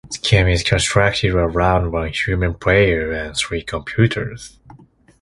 The game is constructed around one human player and three computers.